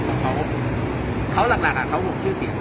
เพราะเรื่องลักษณะมันหุบชื่อศิษฐ์